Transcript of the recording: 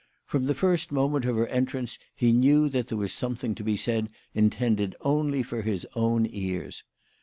From the first moment of her entrance he knew that there was something to be said intended only for his own ears.